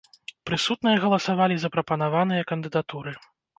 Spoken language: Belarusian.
Прысутныя галасавалі за прапанаваныя кандыдатуры.